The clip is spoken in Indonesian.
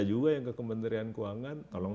juga yang ke kementerian keuangan tolong